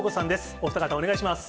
お二方、お願いします。